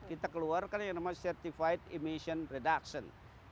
kita keluarkan yang namanya certified emission reduction